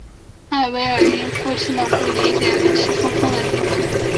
艾薇尔因父亲的不理解而气冲冲地离去。